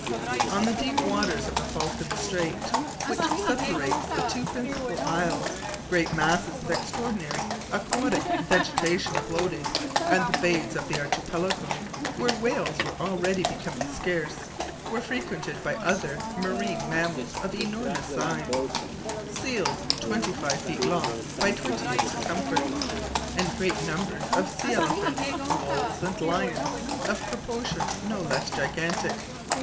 On the deep waters of the Falkland Strait, which separates the two principal isles, great masses of extraordinary aquatic vegetation floated, and the bays of the Archipelago, where whales were already becoming scarce, were frequented by other marine mammals of enormous size seals, twenty five feet long by twenty in circumference, and great numbers of sea elephants, wolves, and lions, of proportions no less gigantic.